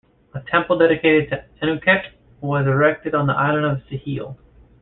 A temple dedicated to Anuket was erected on the Island of Seheil.